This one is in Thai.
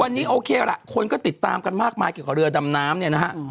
วันนี้โอเคล่ะคนก็ติดตามกันมากมายเกี่ยวกับเรือดำน้ำเนี่ยนะฮะ